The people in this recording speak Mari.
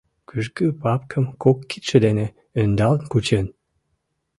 Кӱжгӱ папкым кок кидше дене ӧндалын кучен.